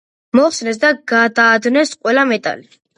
მოხსნეს და გადაადნეს ყველა მეტალი.